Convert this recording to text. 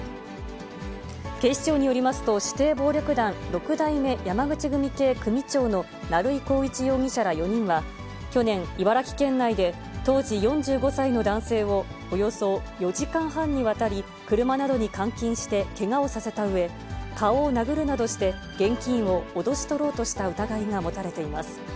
警視庁によりますと、指定暴力団六代目山口組系組長の成井宏一容疑者ら４人は、去年、茨城県内で、当時、４５歳の男性をおよそ４時間半にわたり、車などに監禁して、けがをさせたうえ、顔を殴るなどして、現金を脅し取ろうとした疑いが持たれています。